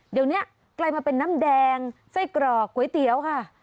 เดี๋ยวนี้กลายมาเป็นน้ำแดงไส้กรอกก๋วยเตี๋ยวค่ะ